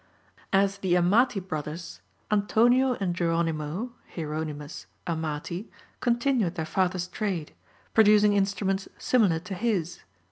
As the Amati brothers, Antonio and Geronimo (Hieronymous) Amati continued their father's trade, producing instruments similar to his.